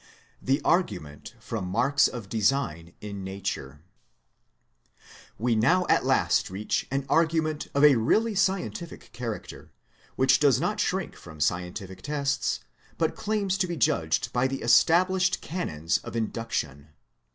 THE ABaUMENT FBOM MAEKS OF DESIGN IN NATUKE TT7E now at last reach, an argument of a really scientific character, which does not shrink from scientific tests, but claims to be judged by the established canons of Induction.